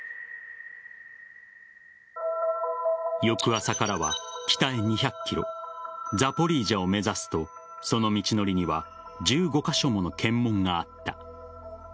翌朝からは北へ２００ｋｍザポリージャを目指すとその道のりには１５カ所もの検問があった。